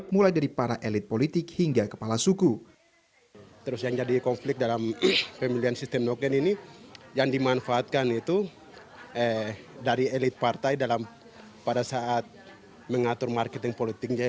mulai dari para elit politik hingga kepala suku